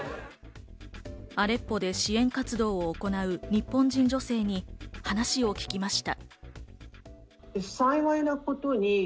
アレッポで支援活動を行う日本人女性に話を聞きました。